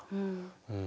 うん。